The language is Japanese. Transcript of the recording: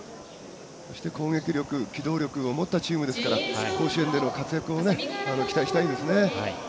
攻撃力機動力を持ったチームですから甲子園での活躍を期待したいですね。